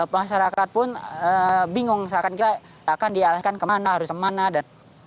masyarakat pun bingung saya kira akan dialahkan kemana harus kemana